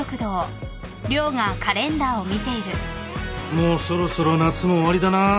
もうそろそろ夏も終わりだな。